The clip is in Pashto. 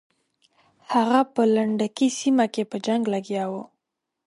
هغه په لنډکي سیمه کې په جنګ لګیا وو.